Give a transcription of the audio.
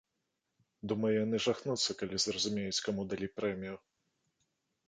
Думаю, яны жахнуцца, калі зразумеюць, каму далі прэмію.